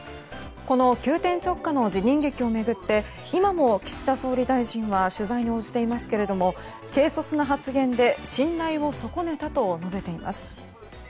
この急転直下の辞任劇を巡って今も岸田総理大臣は取材に応じていますけども軽率な発言で信頼を損ねたと述べています。